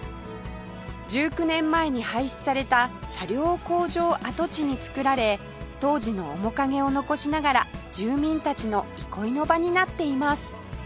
１９年前に廃止された車両工場跡地に造られ当時の面影を残しながら住民たちの憩いの場になっています